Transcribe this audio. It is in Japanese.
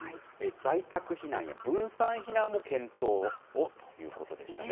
在宅避難や分散避難も検討をということでしたね。